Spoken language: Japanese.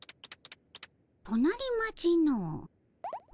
隣町のう。